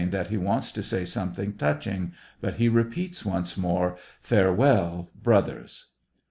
that he wants to say something touching, but he repeats once more :" Farewell, brothers